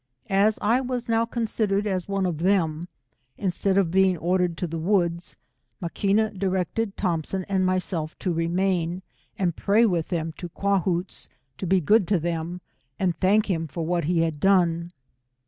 As I was now considered as one of them, instead of being ordered to the woods, Maquina directed Thompson and myself to remain, and pray with them to Quahootze to be good to them, and thank him for what he had done.